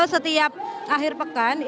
jadi ini sudah berhasil